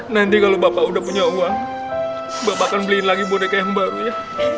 nanti kalau bapak udah punya uang bahkan beli lagi boneka yang baru ya